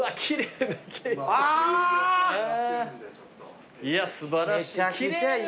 いや素晴らしい。